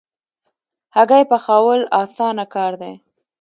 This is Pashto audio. هګۍ پخول اسانه کار دی